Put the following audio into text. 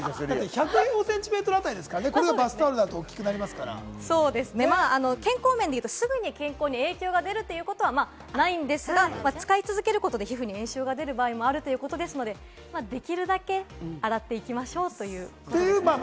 これがバスタオルだと、健康面でいうと、すぐに健康に影響が出るということはないんですが、使い続けることで皮膚に炎症が出る場合もあるということですので、できるだけ洗っていきましょうということです。